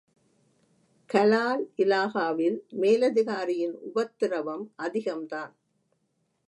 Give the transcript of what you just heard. கலால் இலாகாவில் மேலதிகாரியின் உபத்திரவம் அதிகந்தான்.